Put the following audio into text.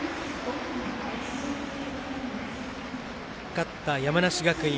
勝った山梨学院。